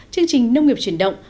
chương trình nông nghiệp chuyển động